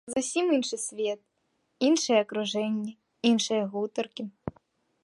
Зусім іншы свет, іншае акружэнне, іншыя гутаркі.